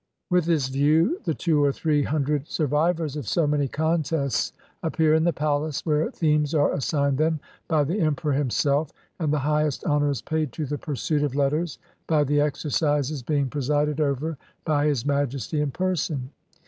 With this view, the two or three hundred survivors of so many contests appear in the palace, where themes are assigned them by the emperor himself, and the highest honor is paid to the pursuit of letters by the exercises being presided over by His Majesty in person.